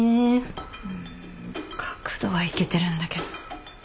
うん角度はいけてるんだけど。